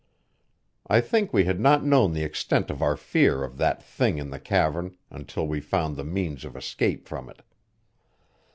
I think we had not known the extent of our fear of that thing in the cavern until we found the means of escape from it.